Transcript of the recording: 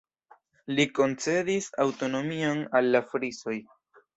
Li koncedis aŭtonomion al la Frisoj.